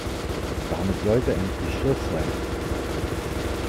Damit sollte endlich Schluss sein!